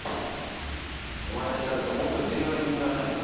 お前が調べたもっと重要なひみつはないのか？